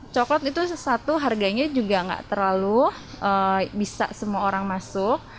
coklat itu sesuatu harganya juga nggak terlalu bisa semua orang masuk